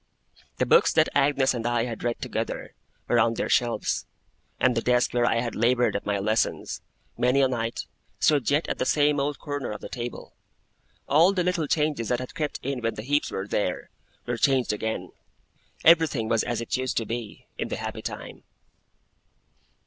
The books that Agnes and I had read together, were on their shelves; and the desk where I had laboured at my lessons, many a night, stood yet at the same old corner of the table. All the little changes that had crept in when the Heeps were there, were changed again. Everything was as it used to be, in the happy time.